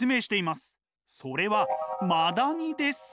それはマダニです。